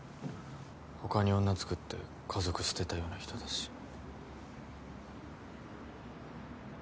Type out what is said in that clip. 他に女つくって家族捨てたような人だし。